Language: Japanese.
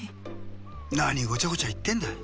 なにごちゃごちゃいってんだ。